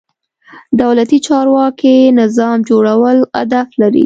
دولتي چارواکي نظام جوړول هدف لري.